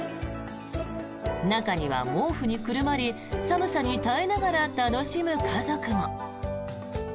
中には毛布にくるまり寒さに耐えながら楽しむ家族も。